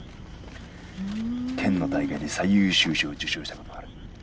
県の大会で最優秀賞を受賞した事もある。